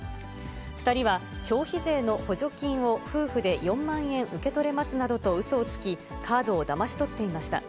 ２人は消費税の補助金を夫婦で４万円受け取れますなどとうそをつき、カードをだまし取っていました。